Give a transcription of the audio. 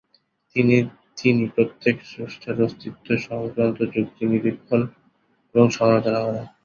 তিনি তিনি প্রত্যেকের স্রষ্ট্রার অস্তিত্ব সংক্রান্ত যুক্তি নিরীক্ষণ এবং সমালোচনা করেন।